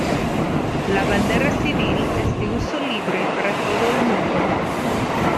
La bandera civil es de uso libre para todo el mundo.